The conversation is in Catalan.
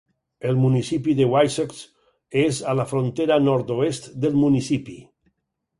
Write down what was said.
El municipi de Wysox és a la frontera nord-oest del municipi.